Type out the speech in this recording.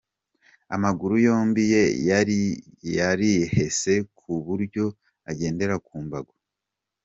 Amaguru yombi ye yarihese ku buryo agendera ku mbago.